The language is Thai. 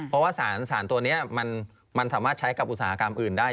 เพราะว่าสารตัวนี้มันสามารถใช้กับอุตสาหกรรมอื่นได้